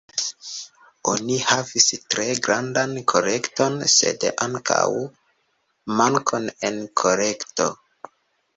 Oni havis tre grandan kolekton sed ankaŭ mankon en kolekto.